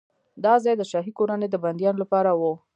دا ځای د شاهي کورنۍ د بندیانو لپاره و.